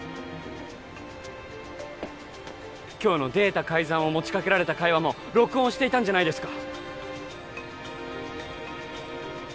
今日のデータ改ざんを持ちかけられた会話も録音していたんじゃないですか？